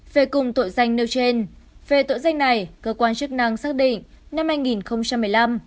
về cùng tội danh nêu trên về tội danh này cơ quan chức năng xác định năm hai nghìn một mươi năm